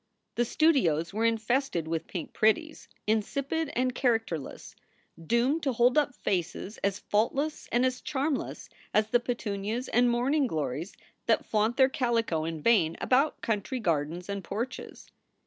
The studios were infested with pink pretties, insipid and characterless, doomed to hold up faces as faultless and as charmless as the petunias and morning glories that flaunt their calico in vain about country gardens and porches.